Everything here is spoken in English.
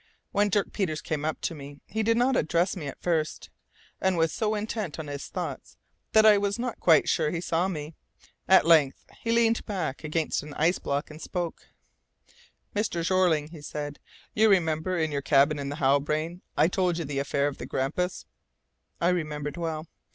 When Dirk Peters came up to me, he did not address me at first, and was so intent on his thoughts that I was not quite sure he saw me. At length, he leaned back against an ice block, and spoke: "Mr. Jeorling," he said, "you remember, in your cabin in the Halbrane, I told you the the affair of the Grampus?" I remembered well.